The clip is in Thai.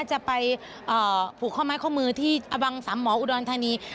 จะไปผูกข้อไม้ข้อมือที่อบังสามหมออุดรธานี